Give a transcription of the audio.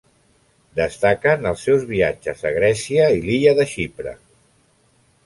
Destaquen els seus viatges a Grècia i l'illa de Xipre.